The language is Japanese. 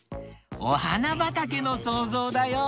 おはなばたけのそうぞうだよ。